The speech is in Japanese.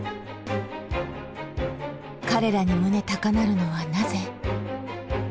彼らに胸高鳴るのはなぜ？